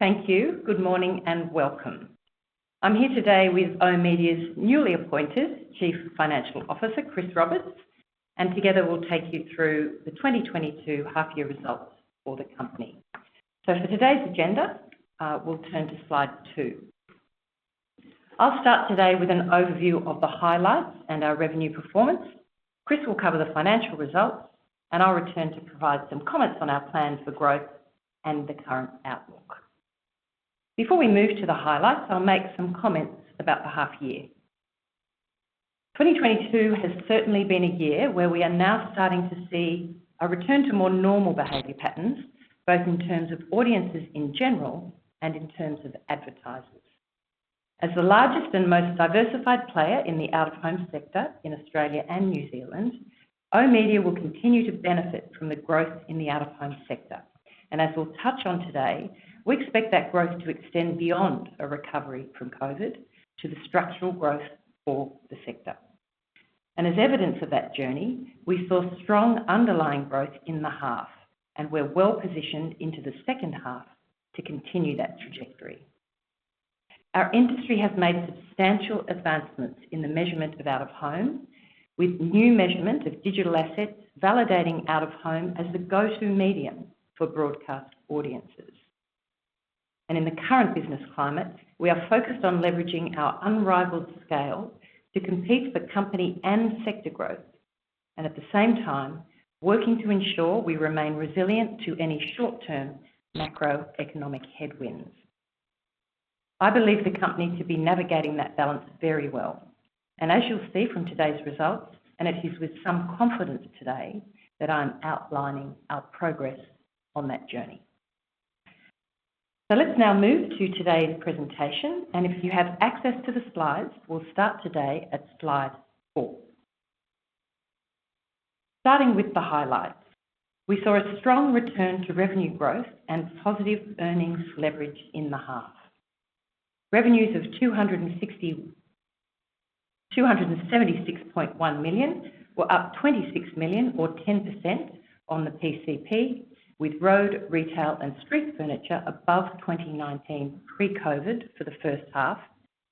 Thank you. Good morning and welcome. I'm here today with oOh!media's newly appointed Chief Financial Officer, Chris Roberts, and together we'll take you through the 2022 half year results for the company. For today's agenda, we'll turn to slide two. I'll start today with an overview of the highlights and our revenue performance. Chris will cover the financial results, and I'll return to provide some comments on our plans for growth and the current outlook. Before we move to the highlights, I'll make some comments about the half year. 2022 has certainly been a year where we are now starting to see a return to more normal behavior patterns, both in terms of audiences in general and in terms of advertisers. As the largest and most diversified player in the out-of-home sector in Australia and New Zealand, oOh!media will continue to benefit from the growth in the out-of-home sector. As we'll touch on today, we expect that growth to extend beyond a recovery from COVID to the structural growth for the sector. As evidence of that journey, we saw strong underlying growth in the half, and we're well-positioned into the second half to continue that trajectory. Our industry has made substantial advancements in the measurement of out-of-home, with new measurement of digital assets validating out-of-home as the go-to medium for broadcast audiences. In the current business climate, we are focused on leveraging our unrivaled scale to compete for company and sector growth. At the same time, working to ensure we remain resilient to any short-term macroeconomic headwinds. I believe the company to be navigating that balance very well. As you'll see from today's results, and it is with some confidence today that I'm outlining our progress on that journey. Let's now move to today's presentation, and if you have access to the slides, we'll start today at slide four. Starting with the highlights. We saw a strong return to revenue growth and positive earnings leverage in the half. Revenues of 276.1 million were up 26 million or 10% on the PCP, with road, retail, and street furniture above 2019 pre-COVID for the first half,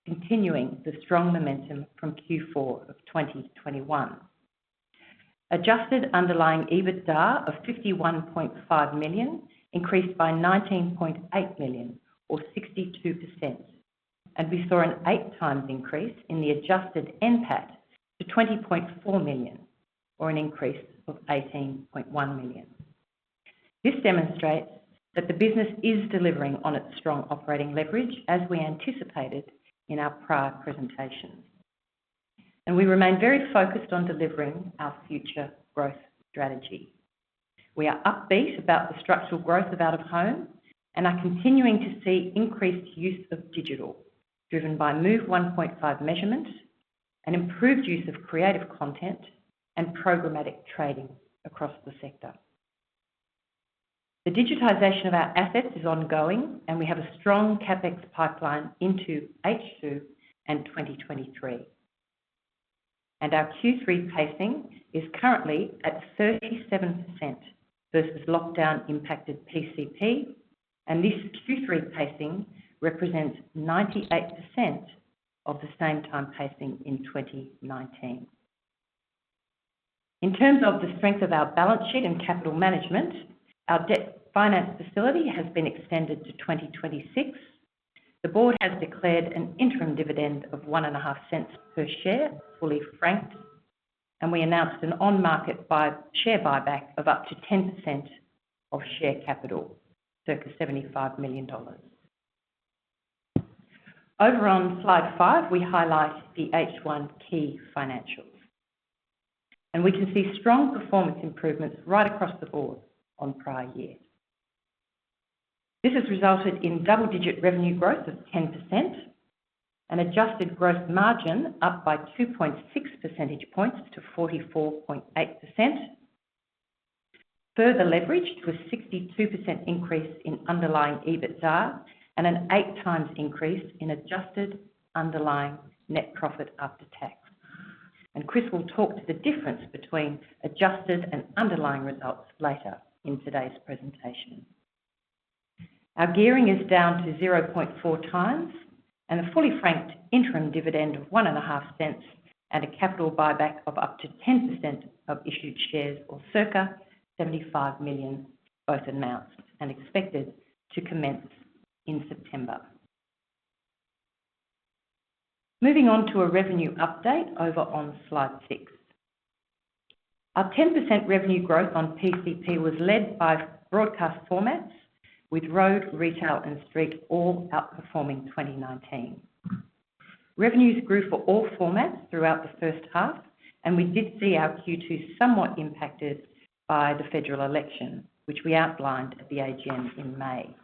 continuing the strong momentum from Q4 of 2021. Adjusted underlying EBITDA of 51.5 million increased by 19.8 million or 62%. We saw an 8x increase in the adjusted NPAT to 20.4 million, or an increase of 18.1 million. This demonstrates that the business is delivering on its strong operating leverage as we anticipated in our prior presentations. We remain very focused on delivering our future growth strategy. We are upbeat about the structural growth of out-of-home and are continuing to see increased use of digital, driven by MOVE 1.5 measurement, an improved use of creative content, and programmatic trading across the sector. The digitization of our assets is ongoing, and we have a strong CapEx pipeline into H2 and 2023. Our Q3 pacing is currently at 37% versus lockdown-impacted PCP, and this Q3 pacing represents 98% of the same time pacing in 2019. In terms of the strength of our balance sheet and capital management, our debt finance facility has been extended to 2026. The board has declared an interim dividend of 0.015 per share, fully franked. We announced an on-market share buyback of up to 10% of share capital, circa AUD 75 million. Over on slide five, we highlight the H1 key financials. We can see strong performance improvements right across the board on prior years. This has resulted in double-digit revenue growth of 10%, an adjusted growth margin up by 2.6 percentage points to 44.8%. Further leveraged with 62% increase in underlying EBITDA and an 8x increase in adjusted underlying net profit after tax. Chris will talk to the difference between adjusted and underlying results later in today's presentation. Our gearing is down to 0.4x and a fully franked interim dividend of 0.015 and a capital buyback of up to 10% of issued shares or circa 75 million both announced and expected to commence in September. Moving on to a revenue update over on slide six. Our 10% revenue growth on PCP was led by broadcast formats with road, retail, and street all outperforming 2019. Revenues grew for all formats throughout the first half, and we did see our Q2 somewhat impacted by the federal election, which we outlined at the AGM in May.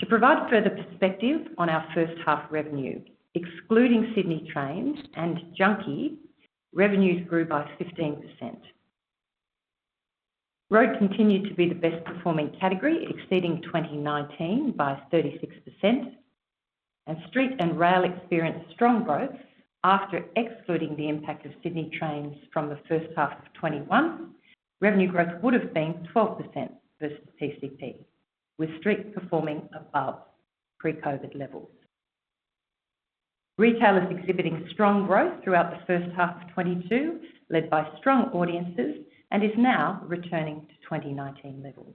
To provide further perspective on our first half revenue, excluding Sydney Trains and Junkee, revenues grew by 15%. Road continued to be the best performing category, exceeding 2019 by 36%. Street and rail experienced strong growth after excluding the impact of Sydney Trains from the first half of 2021. Revenue growth would have been 12% versus PCP, with street performing above pre-COVID levels. Retail is exhibiting strong growth throughout the first half of 2022, led by strong audiences, and is now returning to 2019 levels.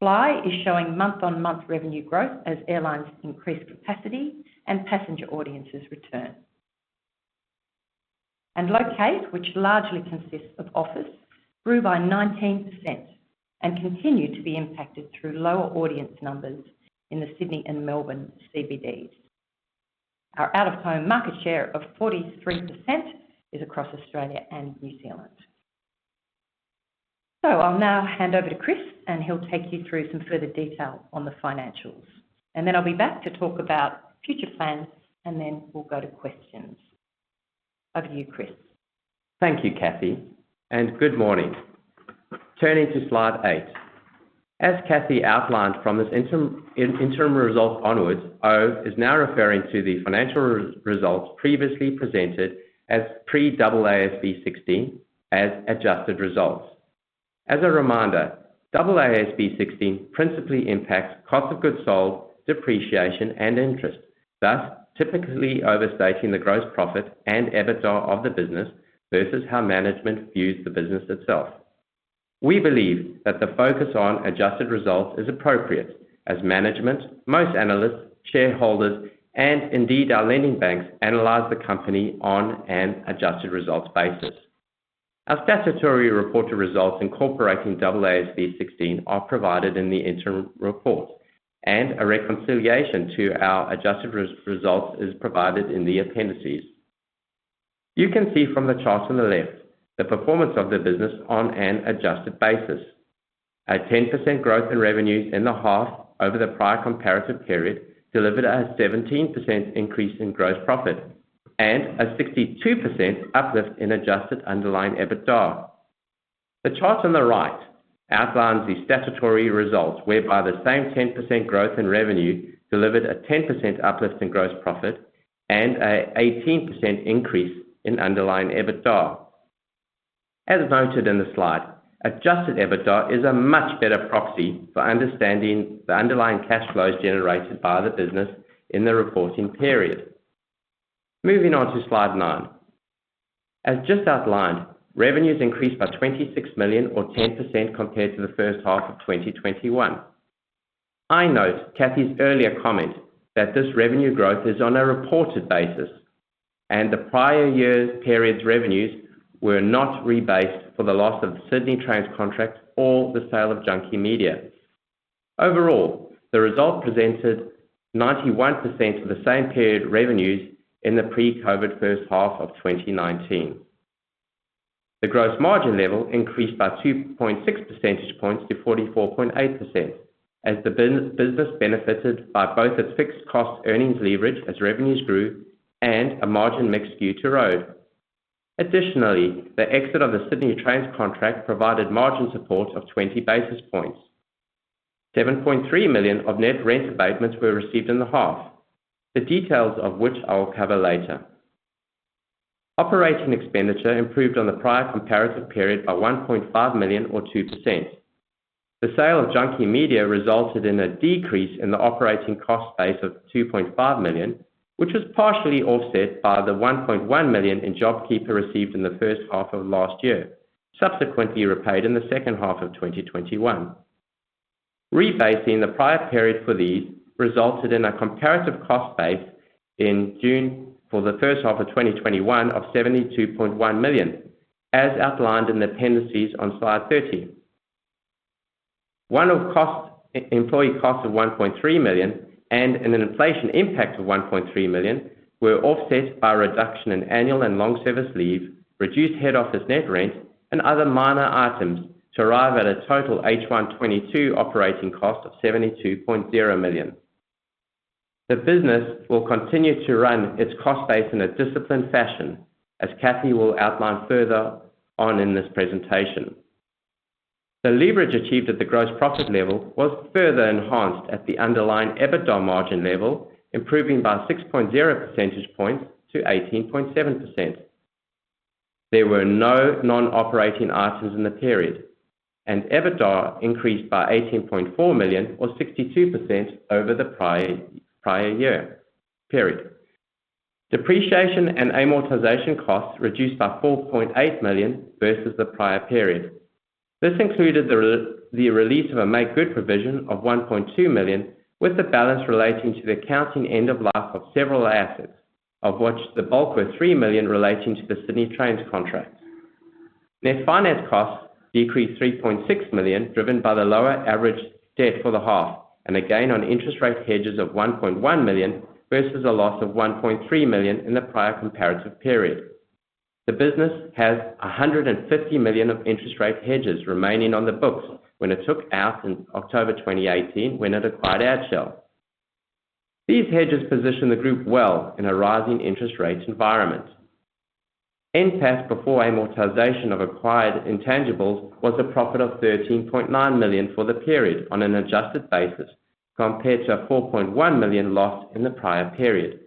Fly is showing month-on-month revenue growth as airlines increase capacity and passenger audiences return. Locate, which largely consists of office, grew by 19% and continued to be impacted through lower audience numbers in the Sydney and Melbourne CBDs. Our out-of-home market share of 43% is across Australia and New Zealand. I'll now hand over to Chris, and he'll take you through some further detail on the financials, and then I'll be back to talk about future plans, and then we'll go to questions. Over to you, Chris. Thank you, Cathy, and good morning. Turning to slide eight. As Cathy outlined from this interim result onwards, oOh! is now referring to the financial results previously presented as pre-AASB 16 as adjusted results. As a reminder, AASB 16 principally impacts cost of goods sold, depreciation and interest, thus typically overstating the gross profit and EBITDA of the business versus how management views the business itself. We believe that the focus on adjusted results is appropriate as management, most analysts, shareholders and indeed our lending banks analyze the company on an adjusted results basis. Our statutory reported results incorporating AASB 16 are provided in the interim report, and a reconciliation to our adjusted results is provided in the appendices. You can see from the chart on the left the performance of the business on an adjusted basis. A 10% growth in revenues in the half over the prior comparative period delivered a 17% increase in gross profit and a 62% uplift in adjusted underlying EBITDA. The chart on the right outlines the statutory results, whereby the same 10% growth in revenue delivered a 10% uplift in gross profit and an 18% increase in underlying EBITDA. As noted in the slide, adjusted EBITDA is a much better proxy for understanding the underlying cash flows generated by the business in the reporting period. Moving on to slide nine. As just outlined, revenues increased by 26 million or 10% compared to the first half of 2021. I note Cathy's earlier comment that this revenue growth is on a reported basis and the prior year's period's revenues were not rebased for the loss of Sydney Trains contract or the sale of Junkee Media. Overall, the result represented 91% for the same period revenues in the pre-COVID first half of 2019. The gross margin level increased by 2.6 percentage points to 44.8% as the business benefited by both its fixed-cost operating leverage as revenues grew and a margin mix due to road. Additionally, the exit of the Sydney Trains contract provided margin support of 20 basis points. 7.3 million of net rent abatements were received in the half, the details of which I will cover later. Operating expenditure improved on the prior corresponding period by 1.5 million or 2%. The sale of Junkee Media resulted in a decrease in the operating cost base of 2.5 million, which was partially offset by the 1.1 million in JobKeeper received in the first half of last year, subsequently repaid in the second half of 2021. Rebasing the prior period for these resulted in a comparative cost base in June for the first half of 2021 of 72.1 million, as outlined in the appendices on slide 13. One-off employee costs of 1.3 million and an inflation impact of 1.3 million were offset by a reduction in annual and long service leave, reduced head office net rent and other minor items to arrive at a total H1 2022 operating cost of 72.0 million. The business will continue to run its cost base in a disciplined fashion, as Cathy will outline further on in this presentation. The leverage achieved at the gross profit level was further enhanced at the underlying EBITDA margin level, improving by 6.0 percentage points to 18.7%. There were no non-operating items in the period, and EBITDA increased by 18.4 million or 62% over the prior year period. Depreciation and amortization costs reduced by 4.8 million versus the prior period. This included the release of a make good provision of 1.2 million, with the balance relating to the accounting end of life of several assets, of which the bulk were 3 million relating to the Sydney Trains contract. Net finance costs decreased 3.6 million, driven by the lower average debt for the half and a gain on interest rate hedges of 1.1 million, versus a loss of 1.3 million in the prior comparative period. The business has 150 million of interest rate hedges remaining on the books when it took out in October 2018 when it acquired Adshel. These hedges position the group well in a rising interest rate environment. NPAT before amortization of acquired intangibles was a profit of 13.9 million for the period on an adjusted basis, compared to a 4.1 million loss in the prior period.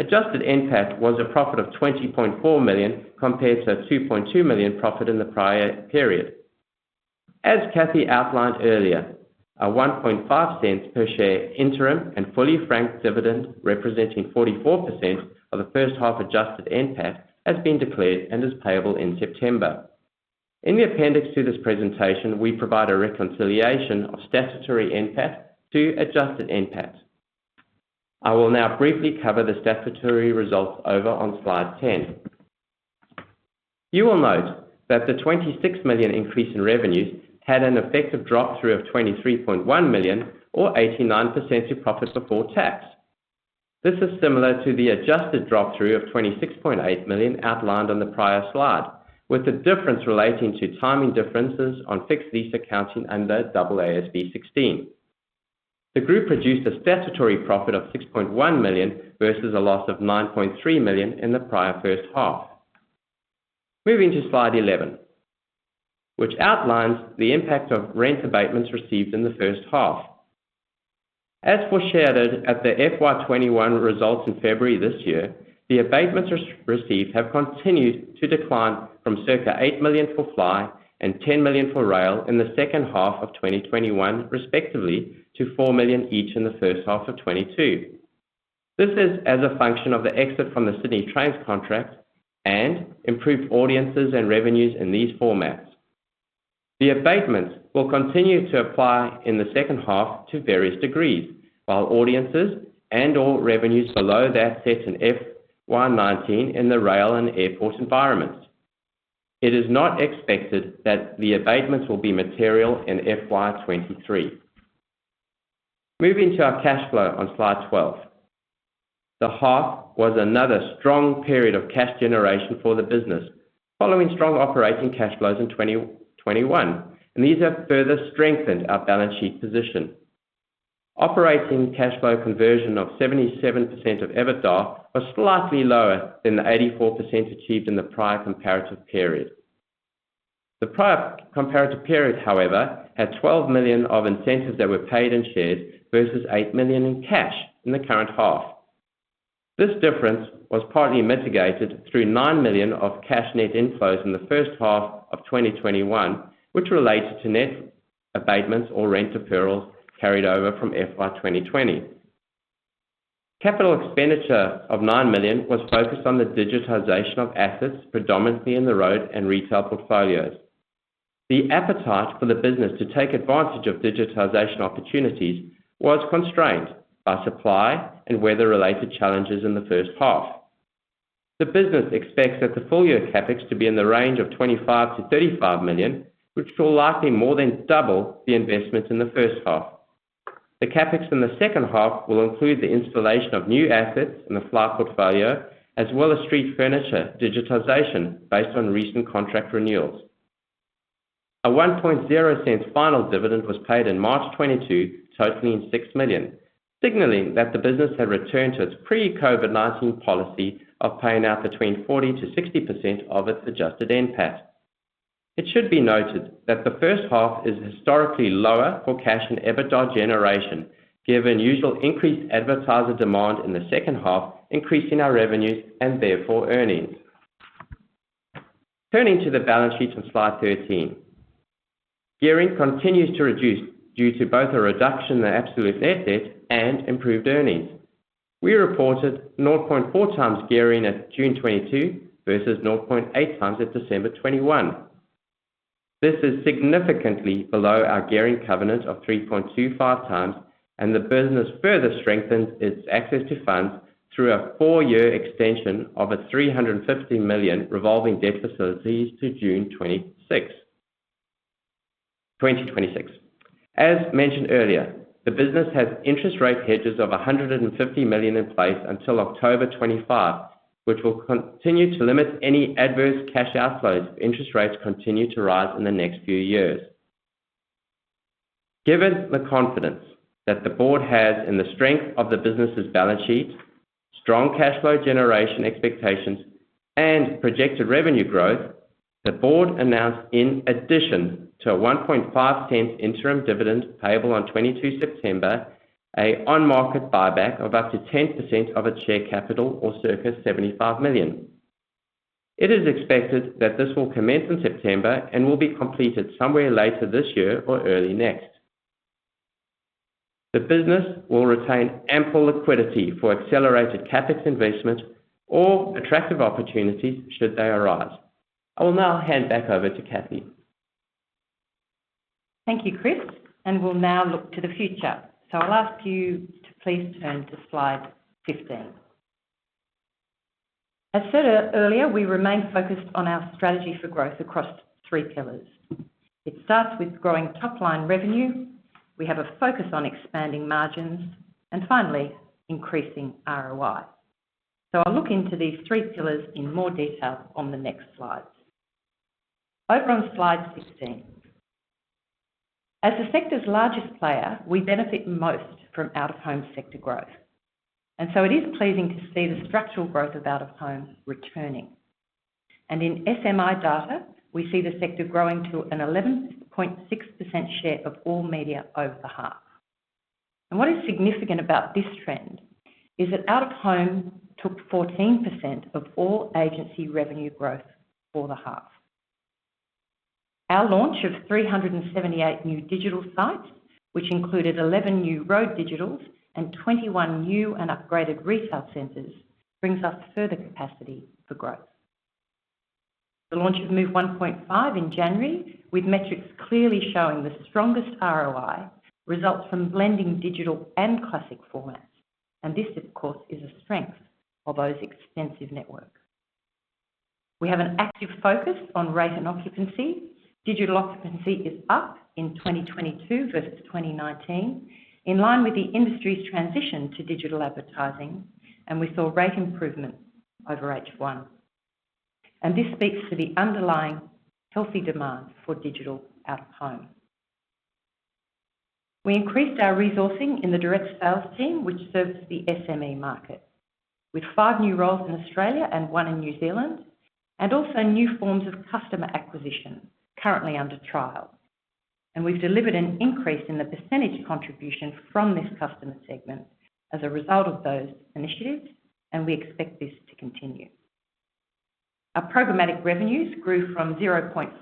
Adjusted NPAT was a profit of 20.4 million compared to a 2.2 million profit in the prior period. As Cathy outlined earlier, a 0.015 per share interim and fully franked dividend, representing 44% of the first half adjusted NPAT has been declared and is payable in September. In the appendix to this presentation, we provide a reconciliation of statutory NPAT to adjusted NPAT. I will now briefly cover the statutory results over on slide 10. You will note that the 26 million increase in revenues had an effective drop through of 23.1 million or 89% to profit before tax. This is similar to the adjusted drop through of 26.8 million outlined on the prior slide, with the difference relating to timing differences on fixed lease accounting under AASB 16. The group produced a statutory profit of 6.1 million versus a loss of 9.3 million in the prior first half. Moving to slide 11, which outlines the impact of rent abatements received in the first half. As forecast at the FY 2021 results in February this year, the abatements received have continued to decline from circa 8 million for Fly and 10 million for Rail in the second half of 2021, respectively to 4 million each in the first half of 2022. This is as a function of the exit from the Sydney Trains contract and improved audiences and revenues in these formats. The abatements will continue to apply in the second half to various degrees, while audiences and/or revenues below that set in FY 2019 in the rail and airport environments. It is not expected that the abatements will be material in FY 2023. Moving to our cash flow on slide 12. The half was another strong period of cash generation for the business, following strong operating cash flows in 2021, and these have further strengthened our balance sheet position. Operating cash flow conversion of 77% of EBITDA was slightly lower than the 84% achieved in the prior comparative period. The prior comparative period, however, had 12 million of incentives that were paid in shares versus 8 million in cash in the current half. This difference was partly mitigated through 9 million of cash net inflows in the first half of 2021, which related to net abatements or rent accruals carried over from FY 2020. Capital expenditure of 9 million was focused on the digitization of assets, predominantly in the road and retail portfolios. The appetite for the business to take advantage of digitization opportunities was constrained by supply and weather-related challenges in the first half. The business expects that the full year CapEx to be in the range of 25 million-35 million, which will likely more than double the investment in the first half. The CapEx in the second half will include the installation of new assets in the Fly portfolio, as well as street furniture digitization based on recent contract renewals. 1.0 final dividend was paid in March 2022, totaling 6 million, signaling that the business had returned to its pre-COVID-19 policy of paying out between 40%-60% of its adjusted NPAT. It should be noted that the first half is historically lower for cash and EBITDA generation, given usual increased advertiser demand in the second half, increasing our revenues and therefore earnings. Turning to the balance sheet on slide 13. Gearing continues to reduce due to both a reduction in the absolute net debt and improved earnings. We reported 0.4x gearing at June 2022 versus 0.8x at December 2021. This is significantly below our gearing covenant of 3.25x, and the business further strengthens its access to funds through a four-year extension of 350 million revolving debt facilities to June 2026. As mentioned earlier, the business has interest rate hedges of 150 million in place until October 2025, which will continue to limit any adverse cash outflows if interest rates continue to rise in the next few years. Given the confidence that the board has in the strength of the business's balance sheet, strong cash flow generation expectations, and projected revenue growth, the board announced in addition to an 0.015 interim dividend payable on 22 September, an on-market buyback of up to 10% of its share capital or circa 75 million. It is expected that this will commence in September and will be completed somewhere later this year or early next. The business will retain ample liquidity for accelerated CapEx investment or attractive opportunities should they arise. I will now hand back over to Cathy. Thank you, Chris. We'll now look to the future. I'll ask you to please turn to slide 15. As said earlier, we remain focused on our strategy for growth across three pillars. It starts with growing top-line revenue. We have a focus on expanding margins and finally increasing ROI. I'll look into these three pillars in more detail on the next slides. Over on slide 16. As the sector's largest player, we benefit most from out-of-home sector growth. It is pleasing to see the structural growth of out-of-home returning. In SMI data, we see the sector growing to an 11.6% share of all media over the half. What is significant about this trend is that out-of-home took 14% of all agency revenue growth for the half. Our launch of 378 new digital sites, which included 11 new road digitals and 21 new and upgraded retail centers, brings us further capacity for growth. The launch of MOVE 1.5 in January, with metrics clearly showing the strongest ROI results from blending digital and classic formats. This, of course, is a strength of oOh!'s extensive network. We have an active focus on rate and occupancy. Digital occupancy is up in 2022 versus 2019, in line with the industry's transition to digital advertising, and we saw rate improvements over H1. This speaks to the underlying healthy demand for digital out-of-home. We increased our resourcing in the direct sales team, which serves the SME market, with five new roles in Australia and one in New Zealand, and also new forms of customer acquisition currently under trial. We've delivered an increase in the percentage contribution from this customer segment as a result of those initiatives, and we expect this to continue. Our programmatic revenues grew from 0.5%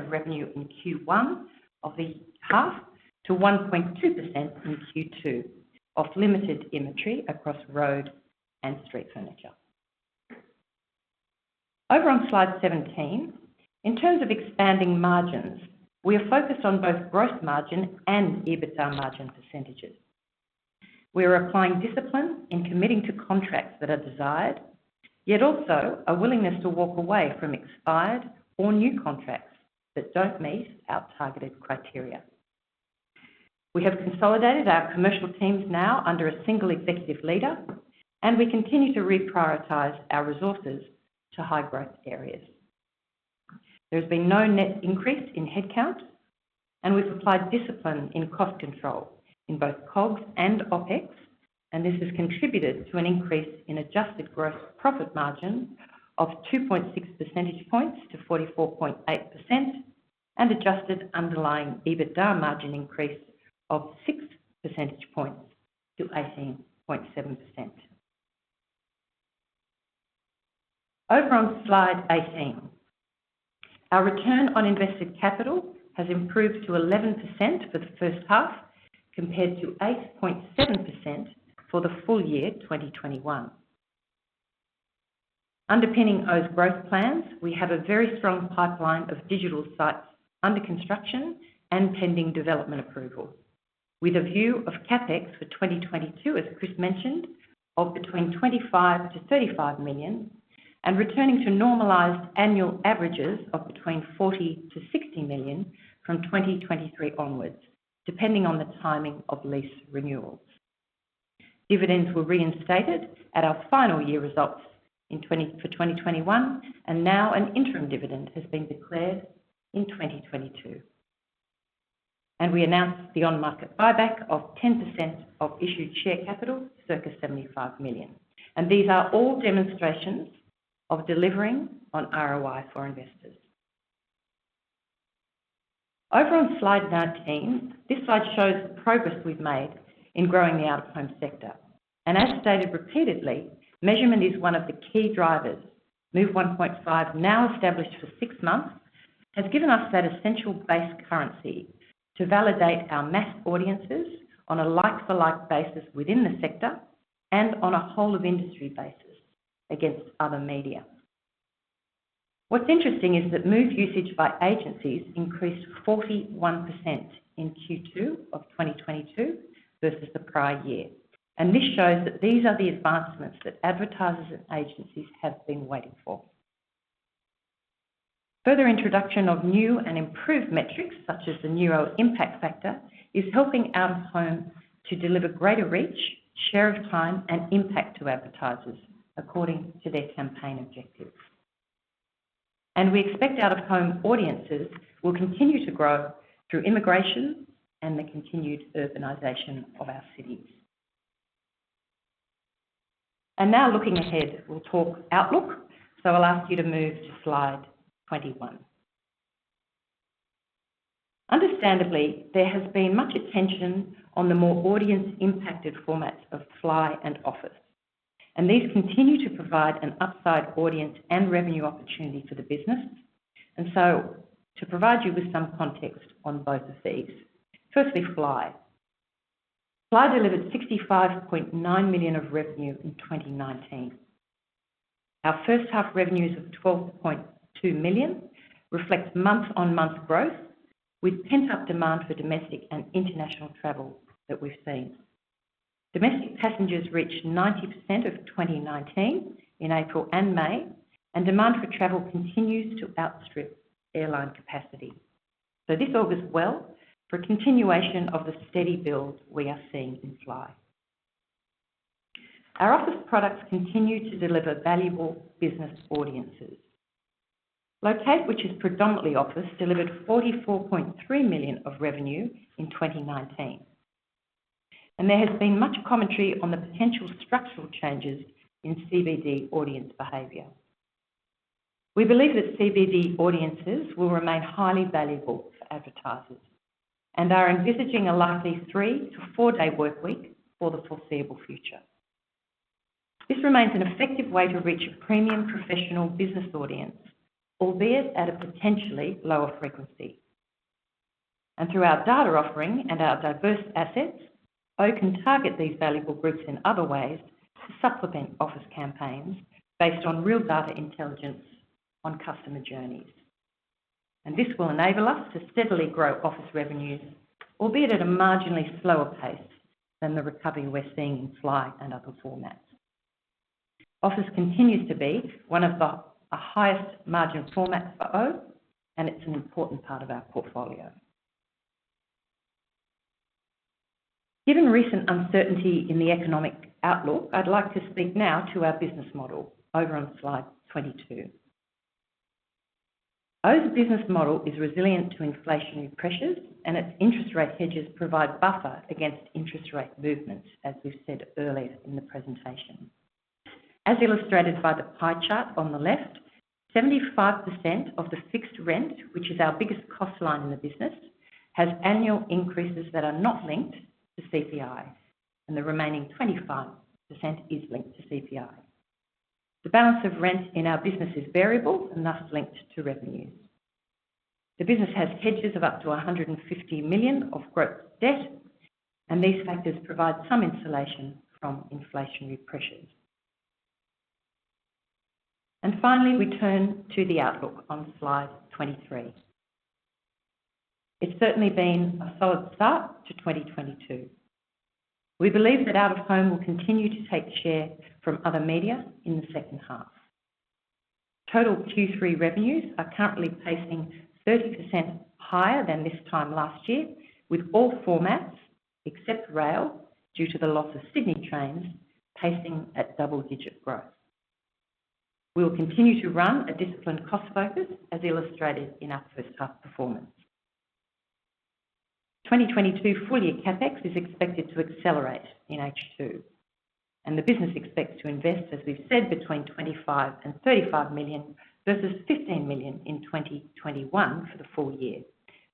of revenue in Q1 of the half to 1.2% in Q2, off limited inventory across road and street furniture. Over on slide 17, in terms of expanding margins, we are focused on both gross margin and EBITDA margin percentages. We are applying discipline in committing to contracts that are desired, yet also a willingness to walk away from expired or new contracts that don't meet our targeted criteria. We have consolidated our commercial teams now under a single executive leader, and we continue to reprioritize our resources to high-growth areas. There has been no net increase in headcount, and we've applied discipline in cost control in both COGS and OpEx, and this has contributed to an increase in adjusted gross profit margin of 2.6 percentage points to 44.8% and adjusted underlying EBITDA margin increase of 6 percentage points to 18.7%. Over on slide 18, our return on invested capital has improved to 11% for the first half, compared to 8.7% for the full year 2021. Underpinning oOh!'s growth plans, we have a very strong pipeline of digital sites under construction and pending development approval, with a view of CapEx for 2022, as Chris mentioned, of between 25 million-35 million and returning to normalized annual averages of between 40 million-60 million from 2023 onwards, depending on the timing of lease renewals. Dividends were reinstated at our final year results in 2021, and now an interim dividend has been declared in 2022. We announced the on-market buyback of 10% of issued share capital, circa 75 million. These are all demonstrations of delivering on ROI for investors. Over on slide 19, this slide shows the progress we've made in growing the out-of-home sector. As stated repeatedly, measurement is one of the key drivers. MOVE 1.5, now established for six months, has given us that essential base currency to validate our mass audiences on a like-for-like basis within the sector and on a whole-of-industry basis against other media. What's interesting is that MOVE usage by agencies increased 41% in Q2 of 2022 versus the prior year. This shows that these are the advancements that advertisers and agencies have been waiting for. Further introduction of new and improved metrics, such as the Neuro Impact Factor, is helping out-of-home to deliver greater reach, share of time, and impact to advertisers according to their campaign objectives. We expect out-of-home audiences will continue to grow through immigration and the continued urbanization of our cities. Now looking ahead, we'll talk outlook, so I'll ask you to move to slide 21. Understandably, there has been much attention on the more audience-impacted formats of Fly and Office, and these continue to provide an upside audience and revenue opportunity for the business. To provide you with some context on both of these. Firstly, Fly. Fly delivered 65.9 million of revenue in 2019. Our first half revenues of 12.2 million reflects month-on-month growth with pent-up demand for domestic and international travel that we've seen. Domestic passengers reached 90% of 2019 in April and May, and demand for travel continues to outstrip airline capacity. This augurs well for a continuation of the steady build we are seeing in Fly. Our office products continue to deliver valuable business audiences. Locate, which is predominantly office, delivered 44.3 million of revenue in 2019. There has been much commentary on the potential structural changes in CBD audience behavior. We believe that CBD audiences will remain highly valuable for advertisers, and are envisaging a likely three- to four-day work week for the foreseeable future. This remains an effective way to reach a premium professional business audience, albeit at a potentially lower frequency. Through our data offering and our diverse assets, oOh! can target these valuable groups in other ways to supplement office campaigns based on real data intelligence on customer journeys. This will enable us to steadily grow office revenues, albeit at a marginally slower pace than the recovery we're seeing in Fly and other formats. Office continues to be one of the highest margin formats for oOh!, and it's an important part of our portfolio. Given recent uncertainty in the economic outlook, I'd like to speak now to our business model over on slide 22. oOh!'s business model is resilient to inflationary pressures, and its interest rate hedges provide buffer against interest rate movements, as we've said earlier in the presentation. As illustrated by the pie chart on the left, 75% of the fixed rent, which is our biggest cost line in the business, has annual increases that are not linked to CPI, and the remaining 25% is linked to CPI. The balance of rent in our business is variable and thus linked to revenues. The business has hedges of up to 150 million of gross debt, and these factors provide some insulation from inflationary pressures. Finally, we turn to the outlook on slide 23. It's certainly been a solid start to 2022. We believe that out-of-home will continue to take share from other media in the second half. Total Q3 revenues are currently pacing 30% higher than this time last year, with all formats except rail, due to the loss of Sydney Trains, pacing at double-digit growth. We'll continue to run a disciplined cost focus as illustrated in our first half performance. 2022 full-year CapEx is expected to accelerate in H2, and the business expects to invest, as we've said, between 25 million and 35 million, versus 15 million in 2021 for the full year,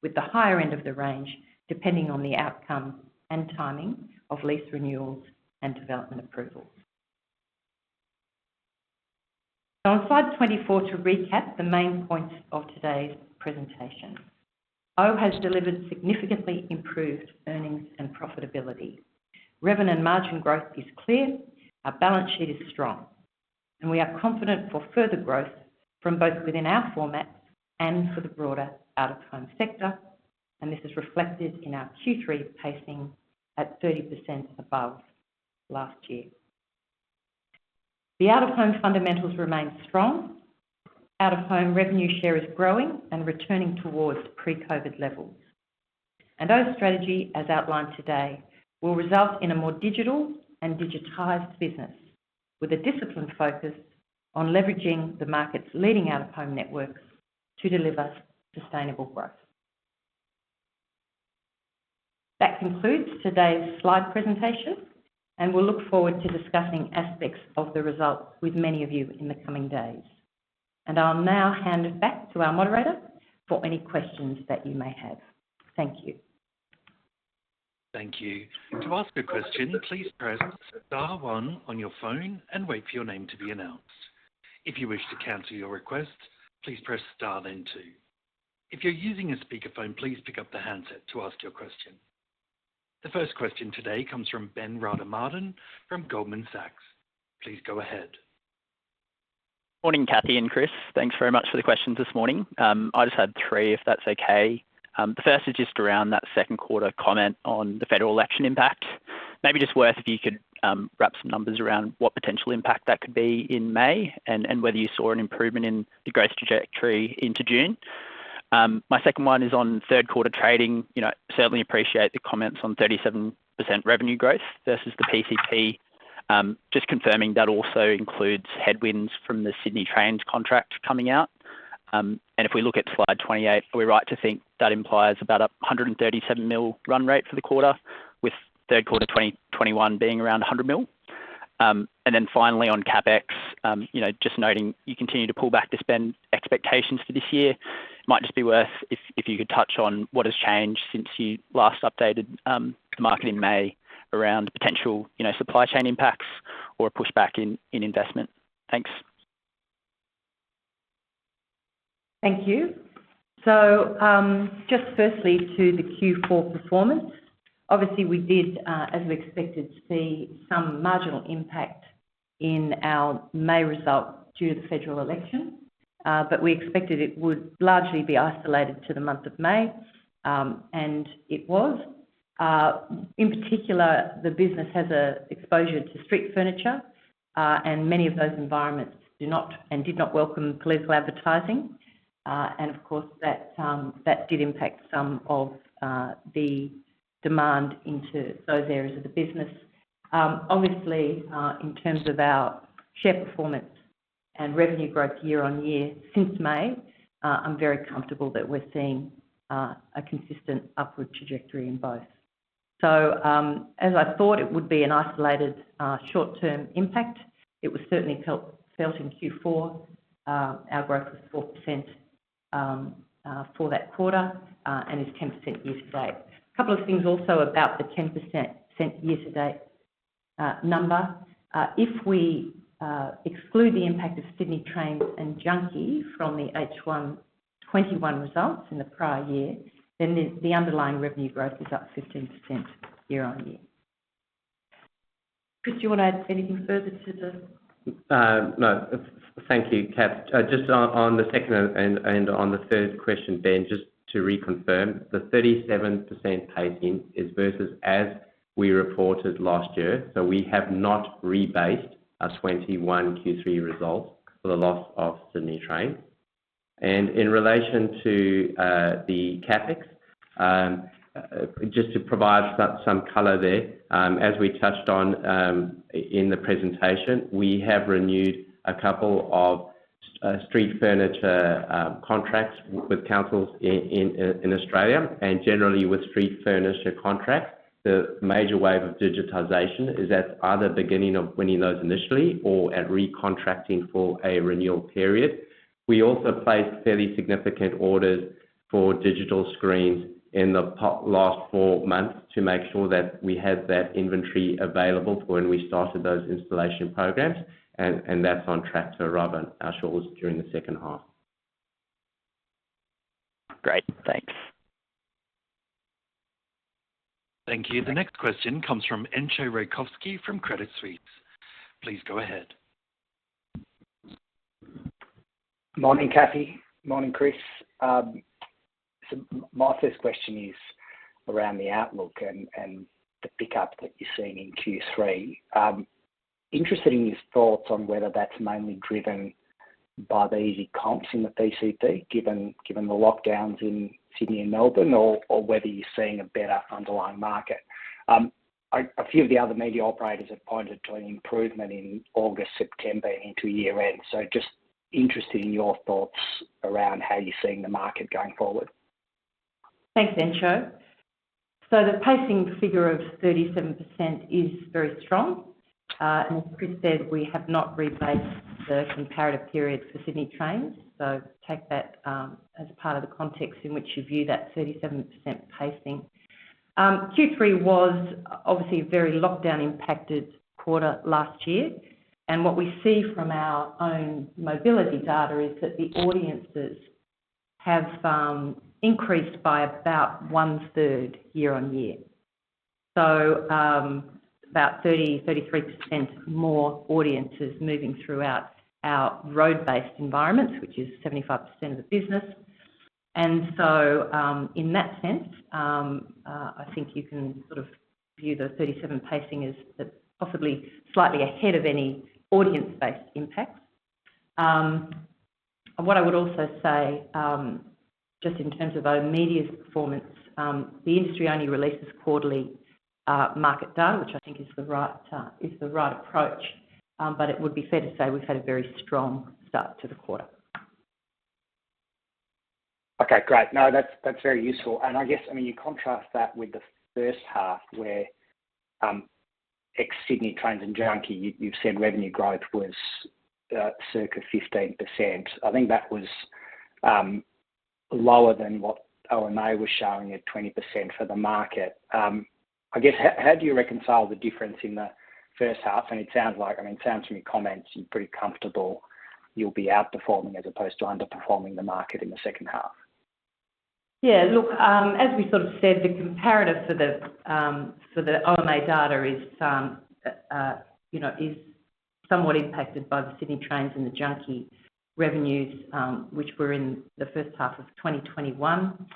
with the higher end of the range depending on the outcome and timing of lease renewals and development approvals. On slide 24, to recap the main points of today's presentation. oOh! has delivered significantly improved earnings and profitability. Revenue and margin growth is clear. Our balance sheet is strong. We are confident for further growth from both within our formats and for the broader out-of-home sector, and this is reflected in our Q3 pacing at 30% above last year. The out-of-home fundamentals remain strong. Out-of-home revenue share is growing and returning towards pre-COVID levels. oOh!'s strategy, as outlined today, will result in a more digital and digitized business with a disciplined focus on leveraging the market's leading out-of-home networks to deliver sustainable growth. That concludes today's slide presentation, and we'll look forward to discussing aspects of the results with many of you in the coming days. I'll now hand it back to our moderator for any questions that you may have. Thank you. Thank you. To ask a question, please press star one on your phone and wait for your name to be announced. If you wish to cancel your request, please press star then two. If you're using a speakerphone, please pick up the handset to ask your question. The first question today comes from Ben Rada-Martin from Goldman Sachs. Please go ahead. Morning, Cathy and Chris. Thanks very much for the questions this morning. I just had three, if that's okay. The first is just around that second quarter comment on the federal election impact. Maybe just worth if you could wrap some numbers around what potential impact that could be in May and whether you saw an improvement in the growth trajectory into June. My second one is on third quarter trading. You know, certainly appreciate the comments on 37% revenue growth versus the PCP. Just confirming that also includes headwinds from the Sydney Trains contract coming out. If we look at slide 28, are we right to think that implies about 137 million run rate for the quarter with third quarter 2021 being around 100 million? Finally on CapEx, you know, just noting you continue to pull back on spend expectations for this year. Might just be worth it if you could touch on what has changed since you last updated the market in May around potential, you know, supply chain impacts or a pushback in investment. Thanks. Thank you. Just firstly, to the Q4 performance, obviously we did, as we expected to see some marginal impact in our May result due to the federal election, but we expected it would largely be isolated to the month of May, and it was. In particular, the business has an exposure to street furniture, and many of those environments do not and did not welcome political advertising. And of course, that did impact some of the demand into those areas of the business. Obviously, in terms of our share performance and revenue growth year-on-year since May, I'm very comfortable that we're seeing a consistent upward trajectory in both. As I thought it would be an isolated short-term impact, it was certainly felt in Q4. Our growth was 4% for that quarter and is 10% year to date. A couple of things also about the 10% year to date number. If we exclude the impact of Sydney Trains and Junkee from the H1 2021 results in the prior year, then the underlying revenue growth is up 15% year-on-year. Chris, you want to add anything further to the. No. Thank you, Cathy. Just on the second and on the third question, Ben, just to reconfirm, the 37% pacing is versus as we reported last year. We have not rebased our 2021 Q3 results for the loss of Sydney Trains. In relation to the CapEx, just to provide some color there, as we touched on in the presentation, we have renewed a couple of street furniture contracts with councils in Australia. Generally with street furniture contracts, the major wave of digitization is at either beginning of winning those initially or at recontracting for a renewal period. We also placed fairly significant orders for digital screens in the last four months to make sure that we had that inventory available for when we started those installation programs, and that's on track to arrive on our shores during the second half. Great. Thanks. Thank you. The next question comes from Entcho Raykovski from Credit Suisse. Please go ahead. Morning, Cathy. Morning, Chris. My first question is around the outlook and the pickup that you're seeing in Q3. Interested in your thoughts on whether that's mainly driven by the easy comps in the PCP, given the lockdowns in Sydney and Melbourne, or whether you're seeing a better underlying market. A few of the other media operators have pointed to an improvement in August, September into year-end. Just interested in your thoughts around how you're seeing the market going forward. Thanks, Entcho. The pacing figure of 37% is very strong. As Chris said, we have not rebased the comparative period for Sydney Trains, so take that as part of the context in which you view that 37% pacing. Q3 was obviously a very lockdown-impacted quarter last year. What we see from our own mobility data is that the audiences have increased by about one-third year-on-year. About 33% more audiences moving throughout our road-based environments, which is 75% of the business. I think you can sort of view the 37% pacing as possibly slightly ahead of any audience-based impacts. What I would also say, just in terms of our media's performance, the industry only releases quarterly market data, which I think is the right approach. It would be fair to say we've had a very strong start to the quarter. Okay, great. No, that's very useful. I guess, I mean, you contrast that with the first half where, ex-Sydney Trains and Junkee, you've said revenue growth was circa 15%. I think that was lower than what OMA was showing at 20% for the market. I guess how do you reconcile the difference in the first half? It sounds like, I mean, from your comments, you're pretty comfortable you'll be outperforming as opposed to underperforming the market in the second half. Yeah, look, as we sort of said, the comparator for the OMA data is, you know, somewhat impacted by the Sydney Trains and the Junkee revenues, which were in the first half of 2021.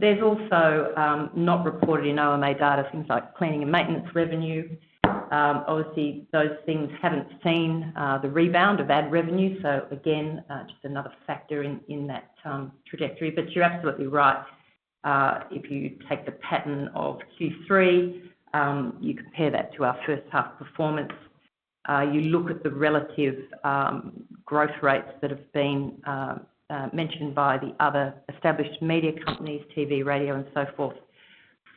There's also not reported in OMA data things like cleaning and maintenance revenue. Obviously those things haven't seen the rebound of ad revenue. Again, just another factor in that trajectory. You're absolutely right. If you take the pattern of Q3, you compare that to our first half performance, you look at the relative growth rates that have been mentioned by the other established media companies, TV, radio and so forth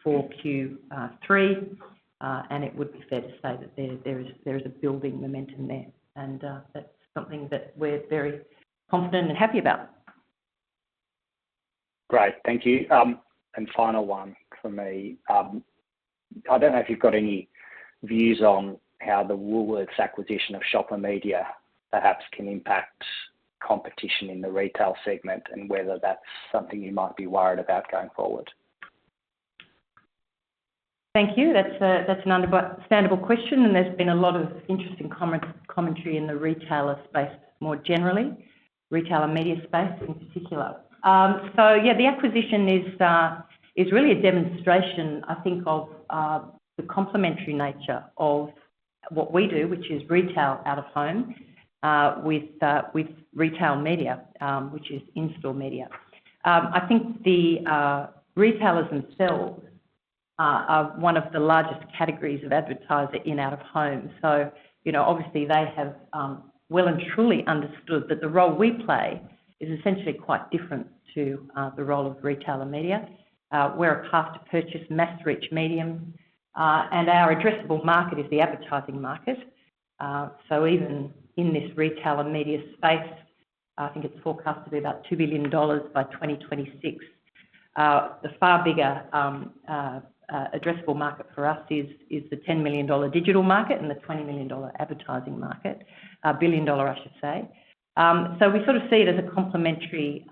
for Q3, and it would be fair to say that there is a building momentum there. That's something that we're very confident and happy about. Great. Thank you. Final one from me. I don't know if you've got any views on how the Woolworths acquisition of Shopper Media perhaps can impact competition in the retail segment and whether that's something you might be worried about going forward? Thank you. That's an understandable question, and there's been a lot of interesting commentary in the retailer space more generally, retailer media space in particular. So yeah, the acquisition is really a demonstration, I think, of the complementary nature of what we do, which is retail out-of-home with retail media, which is in-store media. I think the retailers themselves are one of the largest categories of advertiser in out-of-home. You know, obviously they have well and truly understood that the role we play is essentially quite different to the role of retailer media. We're a path to purchase mass reach medium, and our addressable market is the advertising market. So even in this retailer media space, I think it's forecasted about 2 billion dollars by 2026. The far bigger addressable market for us is the 10 billion dollar digital market and the 20 billion dollar advertising market. We sort of see it as a complementary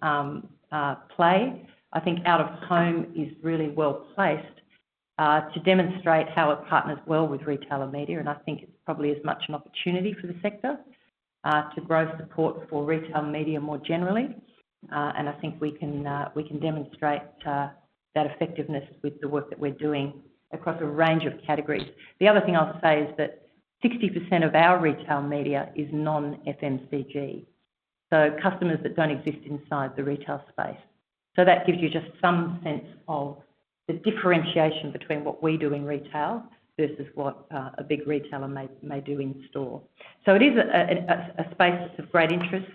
play. I think out-of-home is really well placed to demonstrate how it partners well with retail media. I think it's probably as much an opportunity for the sector to grow support for retail media more generally. I think we can demonstrate that effectiveness with the work that we're doing across a range of categories. The other thing I'll say is that 60% of our retail media is non-FMCG, so customers that don't exist inside the retail space. That gives you just some sense of the differentiation between what we do in retail versus what a big retailer may do in store. It is a space that's of great interest.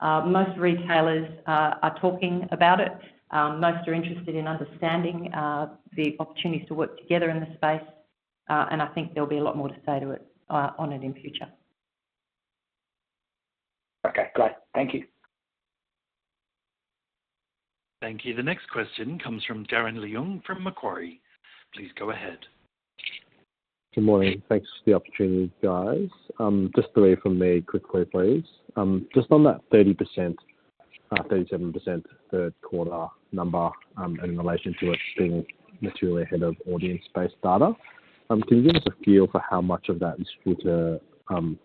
Most retailers are talking about it. Most are interested in understanding the opportunities to work together in the space. I think there'll be a lot more to say on it in future. Okay, great. Thank you. Thank you. The next question comes from Darren Leung from Macquarie. Please go ahead. Good morning. Thanks for the opportunity, guys. Just three from me quickly, please. Just on that 30%, 37% third quarter number, in relation to it being materially ahead of audience-based data, can you give us a feel for how much of that is due to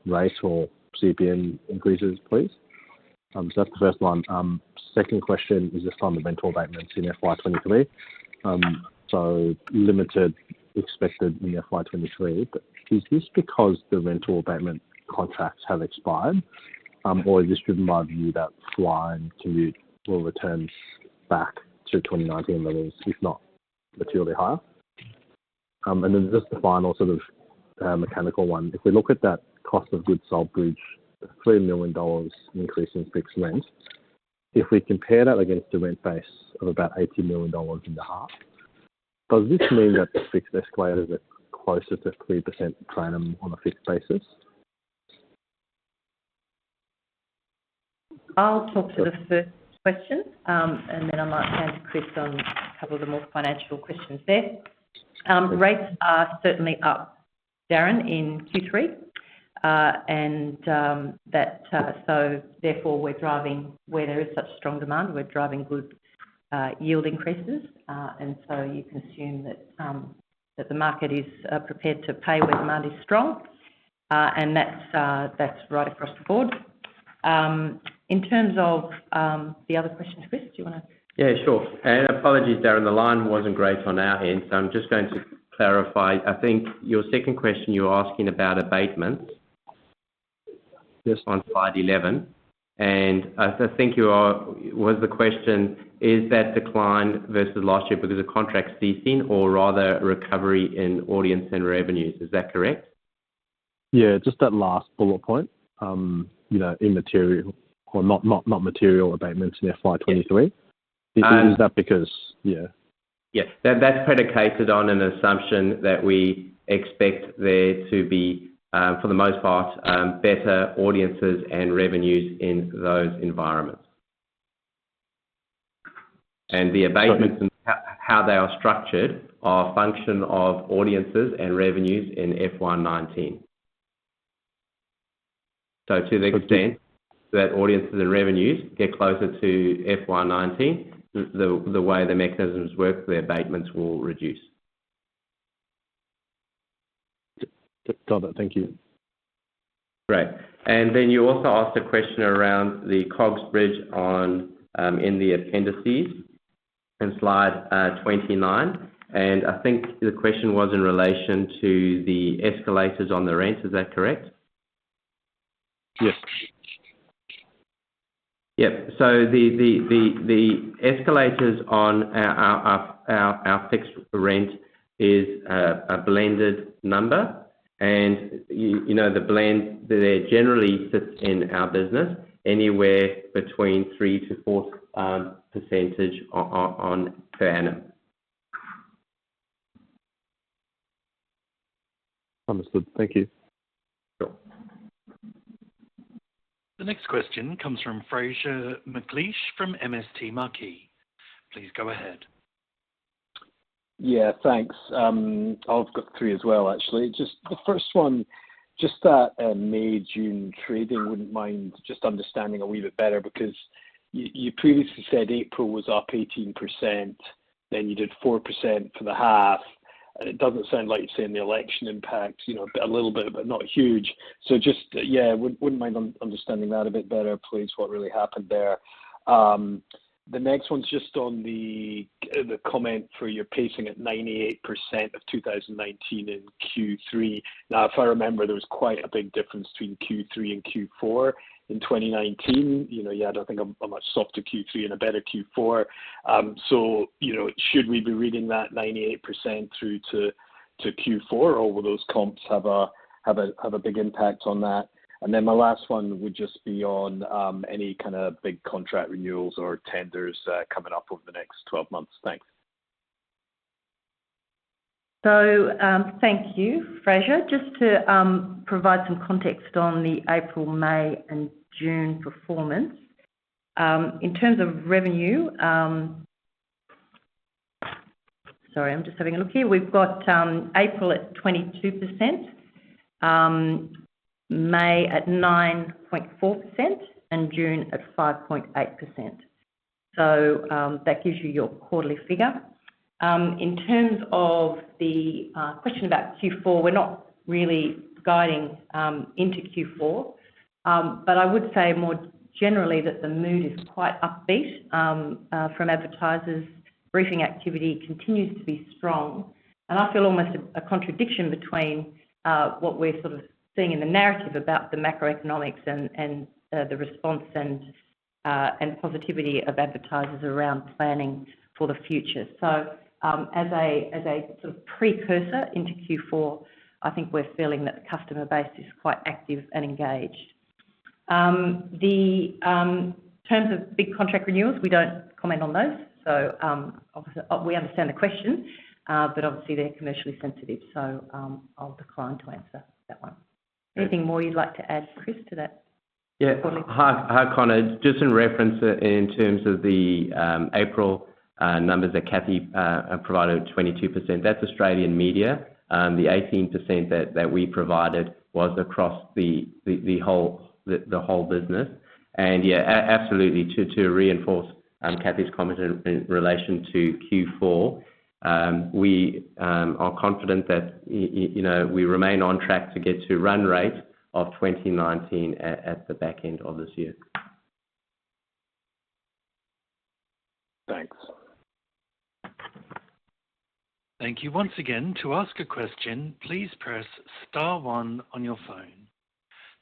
rate or CPM increases, please? That's the first one. Second question is just on the rental abatements in FY 2023. Limited expected in FY 2023, but is this because the rental abatement contracts have expired, or is this driven by view that Fly and Commute will return back to 2019 levels, if not materially higher? Then just the final sort of mechanical one. If we look at that cost of goods sold bridge, the 3 million dollars increase in fixed rent. If we compare that against the rent base of about 80 million dollars in the half, does this mean that the fixed escalators are closer to 3% rather than on a fixed basis? I'll talk to the first question, and then I might hand to Chris on a couple of the more financial questions there. Rates are certainly up, Darren, in Q3. Therefore we're driving where there is such strong demand, we're driving good yield increases. You can assume that the market is prepared to pay where demand is strong. That's right across the board. In terms of the other question, Chris, do you wanna- Yeah, sure. Apologies, Darren, the line wasn't great on our end, so I'm just going to clarify. I think your second question you were asking about abatements. Just on slide 11, was the question is that decline versus last year because of contracts ceasing or rather recovery in audience and revenues? Is that correct? Yeah, just that last bullet point, you know, immaterial or not material abatements in FY 2023. Um- Is that because? Yeah. Yeah. That's predicated on an assumption that we expect there to be, for the most part, better audiences and revenues in those environments. The abatements and how they are structured are a function of audiences and revenues in FY 2019. To the extent that audiences and revenues get closer to FY 2019, the way the mechanisms work, the abatements will reduce. Got that. Thank you. Great. You also asked a question around the COGS bridge on in the appendices in slide 29. I think the question was in relation to the escalators on the rates. Is that correct? Yes. Yep. The escalators on our fixed rent is a blended number. You know, the blend there generally sits in our business anywhere between 3%-4% per annum. Understood. Thank you. Sure. The next question comes from Fraser McLeish from MST Marquee. Please go ahead. Yeah, thanks. I've got three as well, actually. Just the first one, just that May, June trading, wouldn't mind just understanding a wee bit better because you previously said April was up 18%, then you did 4% for the half. It doesn't sound like you're seeing the election impact, you know, a little bit, but not huge. Just, yeah, wouldn't mind understanding that a bit better, please. What really happened there? The next one's just on the comment for your pacing at 98% of 2019 in Q3. If I remember, there was quite a big difference between Q3 and Q4 in 2019. You know, you had, I think, a much softer Q3 and a better Q4. You know, should we be reading that 98% through to Q4, or will those comps have a big impact on that? Then my last one would just be on any kinda big contract renewals or tenders coming up over the next 12 months. Thanks. Thank you, Fraser. Just to provide some context on the April, May, and June performance. In terms of revenue, sorry, I'm just having a look here. We've got April at 22%, May at 9.4%, and June at 5.8%. That gives you your quarterly figure. In terms of the question about Q4, we're not really guiding into Q4. I would say more generally that the mood is quite upbeat from advertisers. Briefing activity continues to be strong, and I feel almost a contradiction between what we're sort of seeing in the narrative about the macroeconomics and positivity of advertisers around planning for the future. As a sort of precursor into Q4, I think we're feeling that the customer base is quite active and engaged. In terms of big contract renewals, we don't comment on those. Obviously, we understand the question, but obviously they're commercially sensitive, so I'll decline to answer that one. Anything more you'd like to add, Chris, to that? Yeah. Hi, Fraser McLeish. Just in reference in terms of the April numbers that Cathy provided, 22%, that's Australian media. The 18% that we provided was across the whole business. Yeah, absolutely, to reinforce Cathy's comment in relation to Q4, we are confident that you know, we remain on track to get to run rate of 2019 at the back end of this year. Thanks. Thank you once again. To ask a question, please press star one on your phone.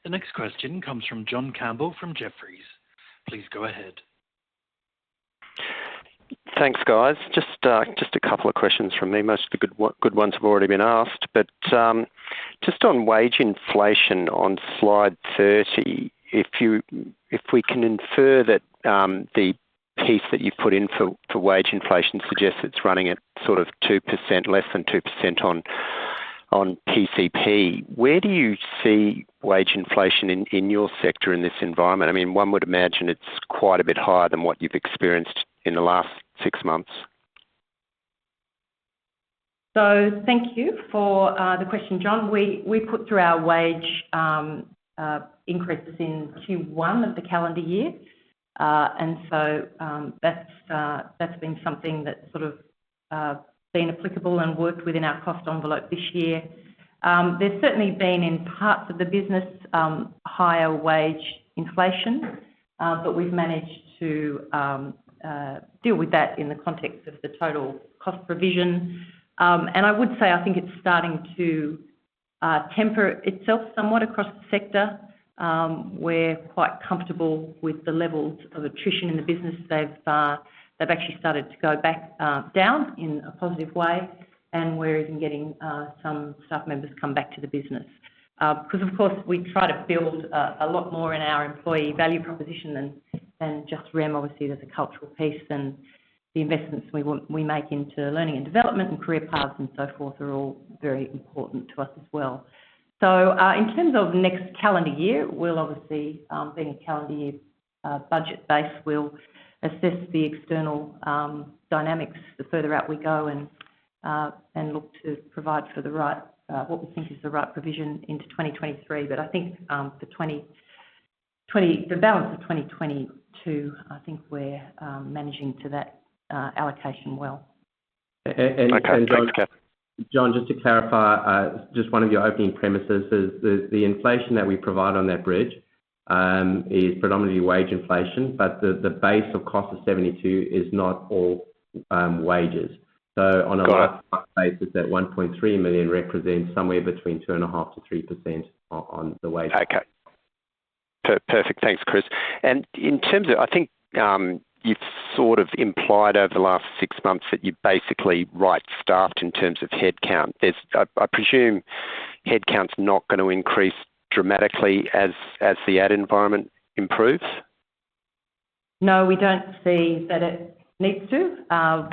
The next question comes from John Campbell from Jefferies. Please go ahead. Thanks, guys. Just a couple of questions from me. Most of the good ones have already been asked. Just on wage inflation on slide 30, if we can infer that the piece that you've put in for wage inflation suggests it's running at sort of 2%, less than 2% on PCP, where do you see wage inflation in your sector in this environment? I mean, one would imagine it's quite a bit higher than what you've experienced in the last six months. Thank you for the question, John. We put through our wage increases in Q1 of the calendar year. That's been something that sort of been applicable and worked within our cost envelope this year. There's certainly been, in parts of the business, higher wage inflation, but we've managed to deal with that in the context of the total cost provision. I would say I think it's starting to temper itself somewhat across the sector. We're quite comfortable with the levels of attrition in the business. They've actually started to go back down in a positive way, and we're even getting some staff members come back to the business. Because of course, we try to build a lot more in our employee value proposition than just REM. Obviously, there's a cultural piece, and the investments we make into learning and development and career paths and so forth are all very important to us as well. In terms of next calendar year, we'll obviously, being a calendar year budget base, we'll assess the external dynamics the further out we go and look to provide for the right, what we think is the right provision into 2023. But I think, for the balance of 2022, I think we're managing to that allocation well. Okay. Thanks, Cathy. John, just to clarify, just one of your opening premises is the inflation that we provide on that bridge is predominantly wage inflation, but the base cost of 72 is not all wages. Got it. On a like-for-like basis, that 1.3 million represents somewhere between 2.5%-3% on the wage. Okay. Perfect. Thanks, Chris. In terms of, I think, you've sort of implied over the last six months that you're basically right-sized in terms of headcount. I presume headcount's not gonna increase dramatically as the ad environment improves? No, we don't see that it needs to.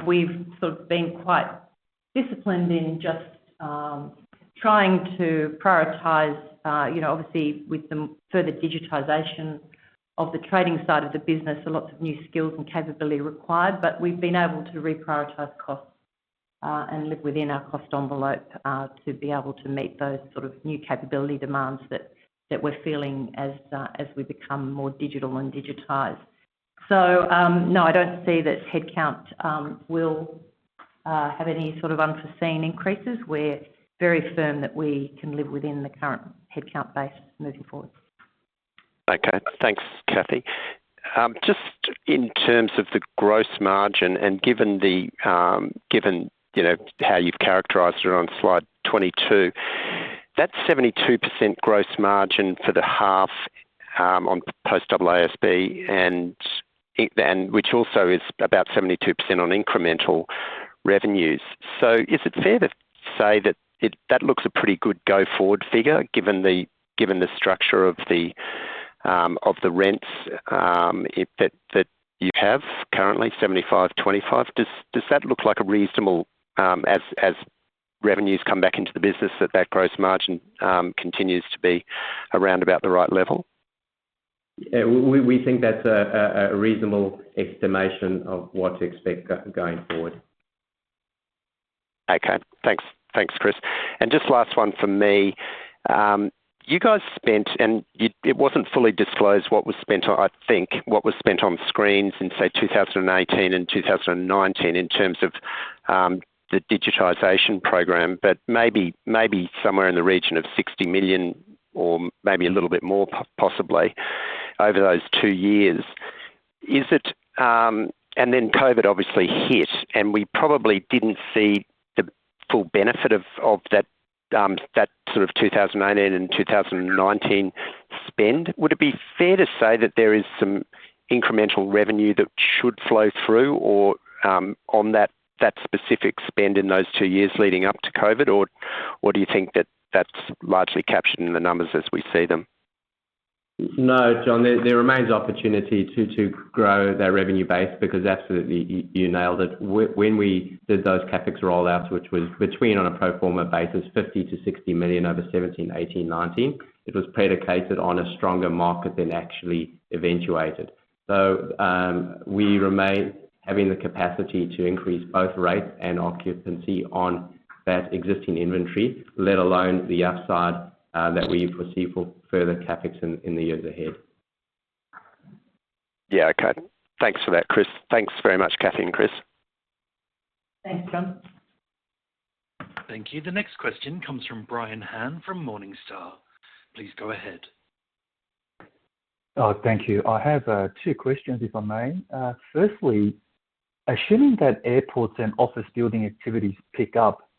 We've sort of been quite disciplined in just trying to prioritize, you know, obviously with the further digitization of the trading side of the business, so lots of new skills and capability required. We've been able to reprioritize costs, and live within our cost envelope, to be able to meet those sort of new capability demands that we're feeling as we become more digital and digitized. No, I don't see that headcount will have any sort of unforeseen increases. We're very firm that we can live within the current headcount base moving forward. Okay. Thanks, Cathy. Just in terms of the gross margin and given the, you know, how you've characterized it on slide 22, that 72% gross margin for the half, on post AASB and which also is about 72% on incremental revenues. Is it fair to say that that looks a pretty good go-forward figure given the structure of the rents, that you have currently 75, 25? Does that look like a reasonable, as revenues come back into the business that that gross margin continues to be around about the right level? Yeah. We think that's a reasonable estimation of what to expect going forward. Okay. Thanks. Thanks, Chris. Just last one from me. You guys spent, it wasn't fully disclosed what was spent on screens in say 2018 and 2019 in terms of the digitization program. But maybe somewhere in the region of 60 million or maybe a little bit more possibly over those two years. COVID obviously hit, and we probably didn't see the full benefit of the sort of 2018 and 2019 spend. Would it be fair to say that there is some incremental revenue that should flow through or on that specific spend in those two years leading up to COVID, or do you think that that's largely captured in the numbers as we see them? No, John. There remains opportunity to grow that revenue base because absolutely, you nailed it. When we did those CapEx rollouts, which was between on a pro forma basis, 50 million-60 million over 2017, 2018, 2019, it was predicated on a stronger market than actually eventuated. We remain having the capacity to increase both rates and occupancy on that existing inventory, let alone the upside that we foresee for further CapEx in the years ahead. Yeah. Okay. Thanks for that, Chris. Thanks very much, Cathy and Chris. Thanks, John. Thank you. The next question comes from Brian Han from Morningstar. Please go ahead. Oh, thank you. I have two questions, if I may. Firstly, assuming that airports and office building activities pick up,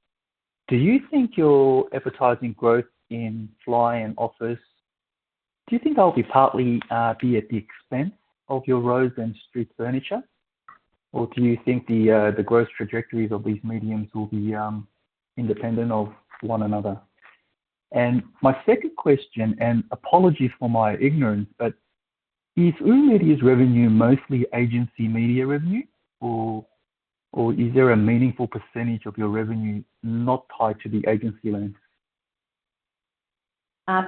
do you think your advertising growth in Fly and office, do you think that will be partly be at the expense of your roads and street furniture? Or do you think the growth trajectories of these mediums will be independent of one another? My second question, and apologies for my ignorance, but is oOh!media's revenue mostly agency media revenue or is there a meaningful percentage of your revenue not tied to the agency links?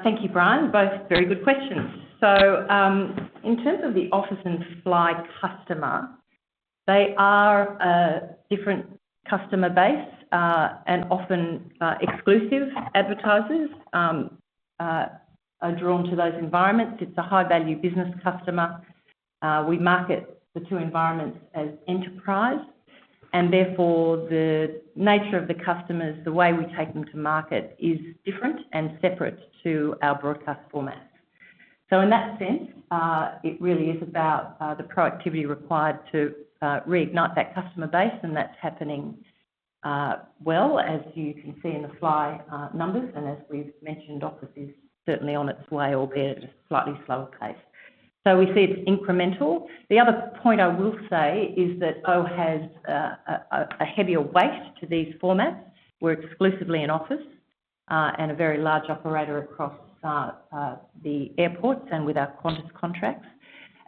Thank you, Brian. Both very good questions. In terms of the office and Fly customer, they are a different customer base, and often, exclusive advertisers, are drawn to those environments. It's a high-value business customer. We market the two environments as enterprise, and therefore the nature of the customers, the way we take them to market is different and separate to our broadcast format. In that sense, it really is about, the productivity required to, reignite that customer base, and that's happening, well, as you can see in the Fly numbers. As we've mentioned, office is certainly on its way, albeit at a slightly slower pace. We see it's incremental. The other point I will say is that oOh! has a heavier weight to these formats. We're exclusively in office and a very large operator across the airports and with our Qantas contracts.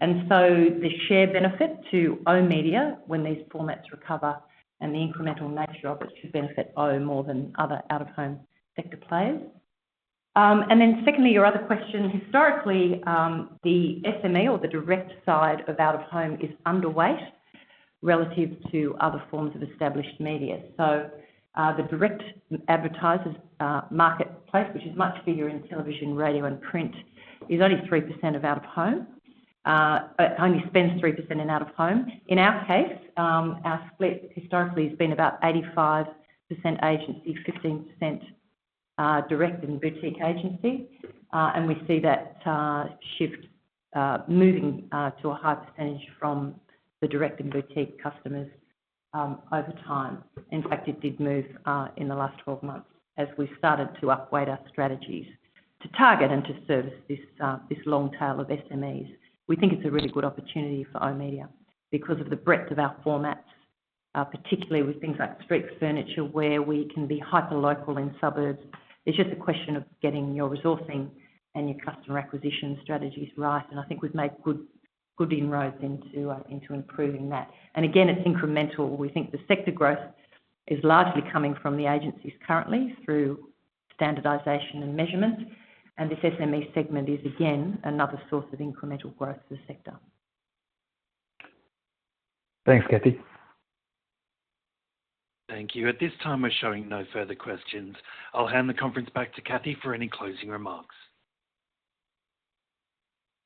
The share benefit to oOh!media when these formats recover and the incremental nature of it should benefit oOh! more than other out-of-home sector players. Secondly, your other question. Historically, the SME or the direct side of out-of-home is underweight relative to other forms of established media. The direct advertisers marketplace, which is much bigger in television, radio, and print, is only 3% of out-of-home. Only spends 3% in out-of-home. In our case, our split historically has been about 85% agency, 15% direct and boutique agency. We see that shift moving to a higher percentage from the direct and boutique customers over time. In fact, it did move in the last 12 months as we started to upweight our strategies to target and to service this long tail of SMEs. We think it's a really good opportunity for oOh!media because of the breadth of our formats, particularly with things like street furniture, where we can be hyperlocal in suburbs. It's just a question of getting your resourcing and your customer acquisition strategies right. I think we've made good inroads into improving that. Again, it's incremental. We think the sector growth is largely coming from the agencies currently through standardization and measurement. This SME segment is again another source of incremental growth for the sector. Thanks, Cathy. Thank you. At this time, we're showing no further questions. I'll hand the conference back to Cathy for any closing remarks.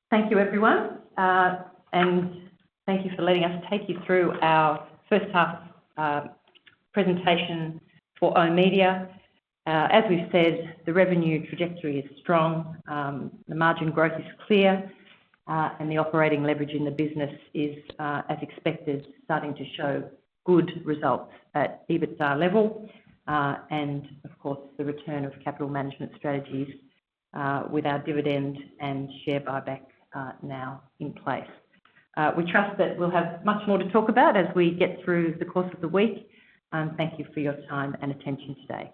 Thank you, everyone. Thank you for letting us take you through our first half presentation for oOh!media. As we've said, the revenue trajectory is strong, the margin growth is clear, and the operating leverage in the business is, as expected, starting to show good results at EBITDA level, and of course, the return of capital management strategies, with our dividend and share buyback, now in place. We trust that we'll have much more to talk about as we get through the course of the week. Thank you for your time and attention today.